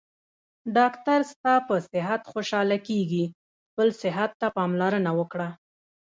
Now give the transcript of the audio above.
ډاکټر ستاپه صحت خوشحاله کیږي خپل صحته پاملرنه وکړه